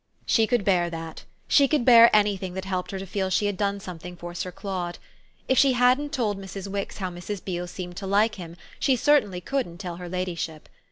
She could bear that; she could bear anything that helped her to feel she had done something for Sir Claude. If she hadn't told Mrs. Wix how Mrs. Beale seemed to like him she certainly couldn't tell her ladyship.